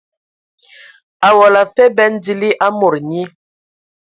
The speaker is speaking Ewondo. Awɔla afe bɛn dili a mod nyi.